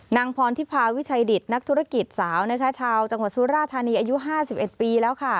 นางพรทิพาวิชัยดิตนักธุรกิจสาวนะคะชาวจังหวัดสุราธานีอายุ๕๑ปีแล้วค่ะ